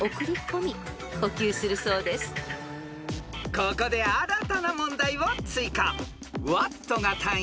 ［ここで新たな問題を追加］